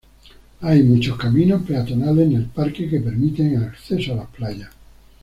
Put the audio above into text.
Hay muchos caminos peatonales en el parque que permiten el acceso a las playas.